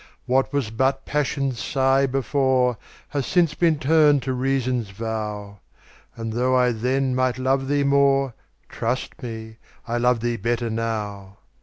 What was but Passion's sigh before, Has since been turned to Reason's vow; And, though I then might love thee more, Trust me, I love thee better now.